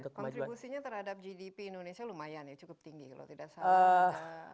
kontribusinya terhadap gdp indonesia lumayan ya cukup tinggi kalau tidak salah